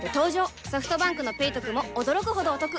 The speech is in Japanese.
ソフトバンクの「ペイトク」も驚くほどおトク